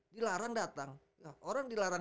dilarang datang orang dilarang